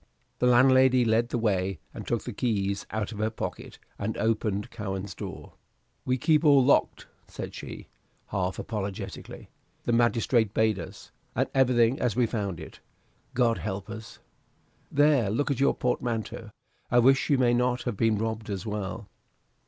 The landlady led the way, and took the keys out of her pocket, and opened Cowen's door. "We keep all locked," said she, half apologetically; "the magistrate bade us; and everything as we found it God help us! There look at your portmanteau. I wish you may not have been robbed as well."